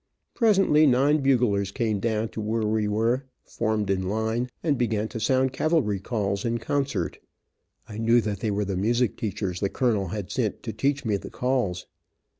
Presently nine buglers came down to where we were, formed in line, and began to sound cavalry calls in concert. I knew that they were the music teachers the colonel had sent to teach me the calls.